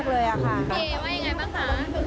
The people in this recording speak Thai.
โอเคว่าอย่างไรบ้างค่ะ